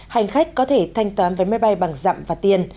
hành khách có thể thanh toán vé máy bay bằng dặm và tiền